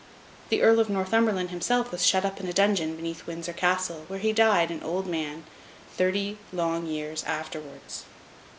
The Earl of Northumberland himself was shut up in a dungeon beneath Windsor Castle, where he died, an old man, thirty long years afterwards.